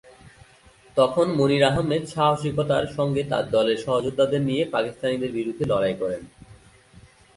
তখন মনির আহমেদ সাহসিকতার সঙ্গে তার দলের সহযোদ্ধাদের নিয়ে পাকিস্তানিদের বিরুদ্ধে লড়াই করেন।